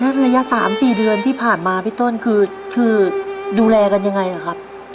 แล้วระยะสามสี่เดือนที่ผ่านมาพี่ต้นคือคือดูแลกันยังไงครับ